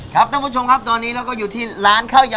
ท่านผู้ชมครับตอนนี้เราก็อยู่ที่ร้านข้าวยำ